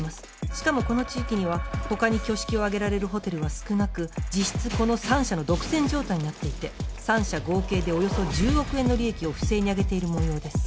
しかもこの地域には他に挙式を挙げられるホテルは少なく実質この３社の独占状態になっていて３社合計でおよそ１０億円の利益を不正にあげているもようです。